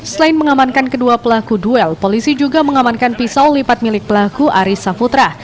selain mengamankan kedua pelaku duel polisi juga mengamankan pisau lipat milik pelaku aris saputra